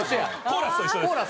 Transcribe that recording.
コーラスと一緒です。